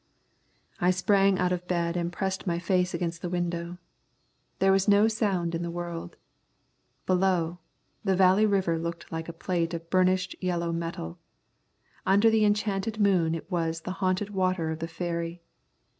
I sprang out of bed and pressed my face against the window. There was no sound in the world. Below, the Valley River lay like a plate of burnished yellow metal. Under the enchanted moon it was the haunted water of the fairy.